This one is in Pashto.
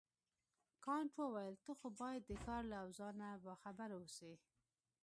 کانت وویل ته خو باید د ښار له اوضاع نه باخبره اوسې.